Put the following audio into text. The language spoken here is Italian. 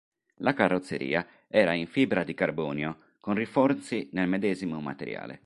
La carrozzeria era in fibra di carbonio con rinforzi nel medesimo materiale.